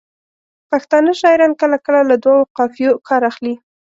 پښتانه شاعران کله کله له دوو قافیو کار اخلي.